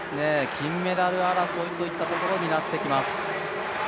金メダル争いといったところになってきます。